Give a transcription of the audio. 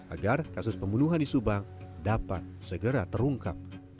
agar kasus pembunuhan di subang dapat segera terungkap